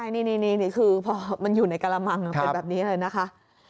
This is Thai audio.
นี่ที่คือมันอยู่ในกัลมังแบบนี้เลยนะฮะ